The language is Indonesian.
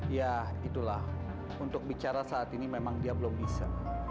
ya itulah untuk bicara saat ini memang dia belum bisa